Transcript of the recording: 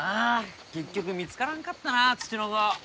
結局見つからんかったなツチノコ。